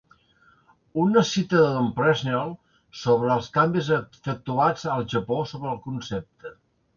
Una cita de Don Presnell sobre els canvis efectuats al Japó sobre el concepte.